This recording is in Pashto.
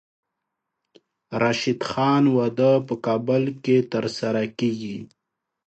د راشد خان واده په کابل کې ترسره کیږي.